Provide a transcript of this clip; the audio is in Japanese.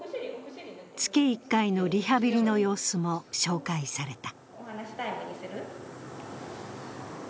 月１回のリハビリの様子も紹介された。